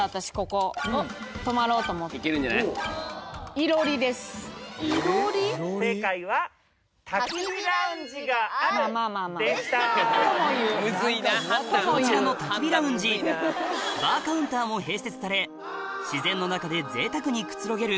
こちらの焚き火ラウンジバーカウンターも併設され自然の中でぜいたくにくつろげる